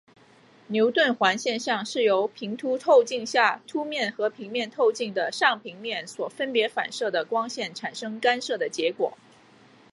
牛顿环现象是由平凸透镜下凸面和平面透镜的上平面所分别反射的光线产生干涉的结果。